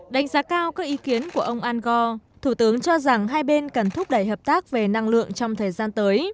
đánh giá cao các ý kiến của ông angor thủ tướng cho rằng hai bên cần thúc đẩy hợp tác về năng lượng trong thời gian tới